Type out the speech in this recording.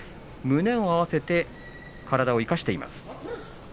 胸を合わせて体を生かしています。